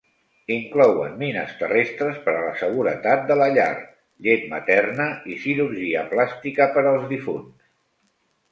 Inclouen mines terrestres per a la seguretat de la llar, llet materna i cirurgia plàstica per als difunts.